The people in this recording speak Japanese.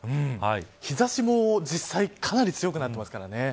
日差しも実際かなり強くなってますからね。